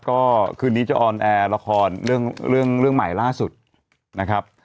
ก็คืนนี้จะออนแอร์ละครเรื่องเรื่องใหม่ล่าสุดนะครับ